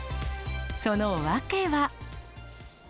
その訳は。